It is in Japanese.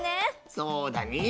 そうだね！